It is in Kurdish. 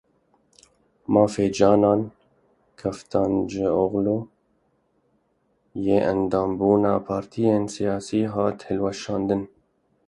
Mafê Canan Kaftancioglu yê endambûna partiyên siyasî hat hilweşandin.